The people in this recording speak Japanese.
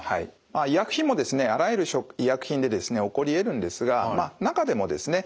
医薬品もですねあらゆる医薬品で起こりえるんですが中でもですね